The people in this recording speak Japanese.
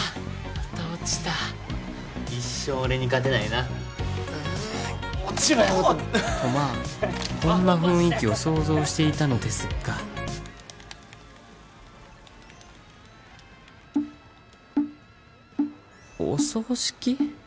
また落ちた一生俺に勝てないなう落ちろヤマトとまあこんな雰囲気を想像していたのですがお葬式？